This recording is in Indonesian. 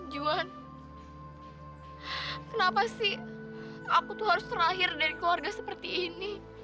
juan kenapa sih aku tuh harus terakhir dari keluarga seperti ini